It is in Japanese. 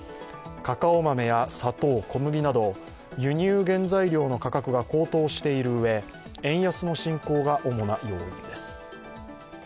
カカオ豆や砂糖、小麦など輸入減材料の価格が高騰しているうえ円安の進行が主な要因です。